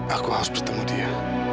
aku harus bertemu dia